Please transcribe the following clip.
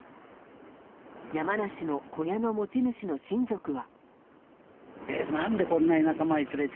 山梨の小屋の持ち主の親族は。